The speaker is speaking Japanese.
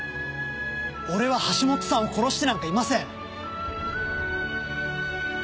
俺は橋本さんを殺してなんかいません！